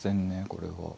これは。